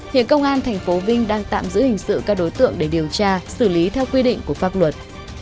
hiện công an tp vinh đang tạm giữ hình sự các đối tượng để điều tra xử lý theo quy định của pháp luật